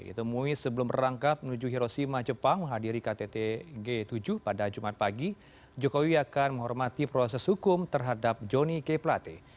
ditemui sebelum berangkap menuju hiroshima jepang menghadiri kttg tujuh pada jumat pagi jokowi akan menghormati proses hukum terhadap joni keplate